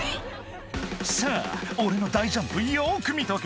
「さぁ俺の大ジャンプよく見とけ」